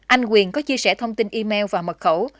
anh quyền có chia sẻ thông tin email và mật khẩu